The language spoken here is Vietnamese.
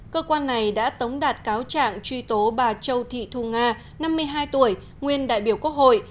cơ quan này đã tống đạt cáo trạng truy tố bà châu thị thu nga năm mươi hai tuổi nguyên đại biểu quốc hội